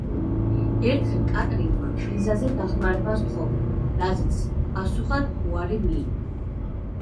ერთხელ კატრინმა ვიზაზე დახმარება სთხოვა, რაზეც პასუხად უარი მიიღო.